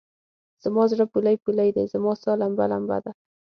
زما زړه پولۍ پولۍدی؛ رما سا لمبه لمبه ده